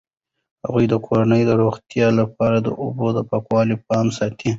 هغې د کورنۍ د روغتیا لپاره د اوبو د پاکوالي پام ساتي.